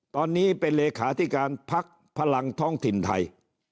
ตอนนี้เป็นเลขาธิการพักพลังท้องถิ่นไทย